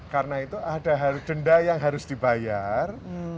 karena itu ada denda yang harus dibayar